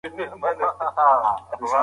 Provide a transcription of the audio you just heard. د سګرټو له څکولو ډډه وکړئ.